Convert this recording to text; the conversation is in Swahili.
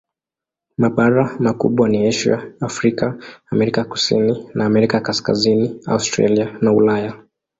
Mabara makubwa ni Asia, Afrika, Amerika Kusini na Amerika Kaskazini, Australia na Ulaya.